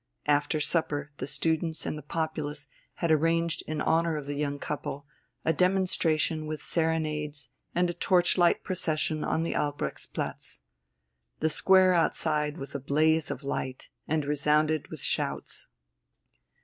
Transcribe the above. After supper the students and the populace had arranged in honour of the young couple a demonstration with serenades and a torchlight procession on the Albrechtsplatz. The square outside was a blaze of light, and resounded with shouts.